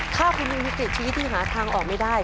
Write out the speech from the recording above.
ถ้าคุณมีวิกฤตชีวิตที่หาทางออกไม่ได้